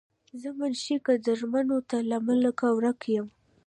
زۀ منشي قدرمند تا لۀ ملکه ورک کړم